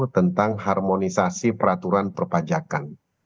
tentang harmonisasi peraturan perpajakan